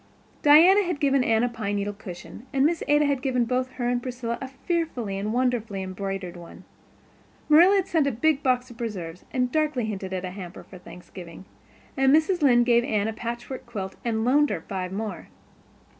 Diana had given Anne a pine needle cushion and Miss Ada had given both her and Priscilla a fearfully and wonderfully embroidered one. Marilla had sent a big box of preserves, and darkly hinted at a hamper for Thanksgiving, and Mrs. Lynde gave Anne a patchwork quilt and loaned her five more.